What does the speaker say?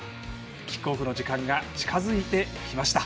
キックオフの時間が近づいてきました。